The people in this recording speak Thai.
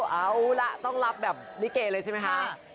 เอาล่ะต้องรับแบบลิเกเลยใช่ไหมคะ